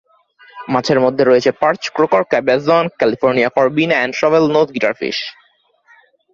মাছের মধ্যে রয়েছে পার্চ, ক্রোকার, ক্যাবেজন, ক্যালিফোর্নিয়া করবিনা এবং শভেলনোজ গিটারফিশ।